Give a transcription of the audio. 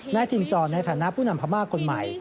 จินจรในฐานะผู้นำพม่าคนใหม่